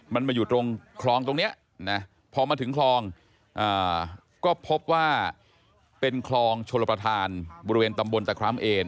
มันมาอยู่ตรงคลองตรงนี้นะพอมาถึงคลองก็พบว่าเป็นคลองชลประธานบริเวณตำบลตะคร้ำเอน